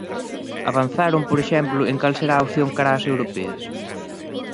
Avanzaron, por exemplo, en cal será a opción cara ás europeas?